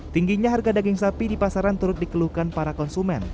tingginya harga daging sapi di pasaran turut dikeluhkan para konsumen